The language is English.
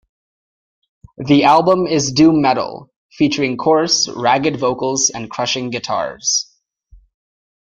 The album is doom metal featuring coarse, ragged vocals and crushing guitars.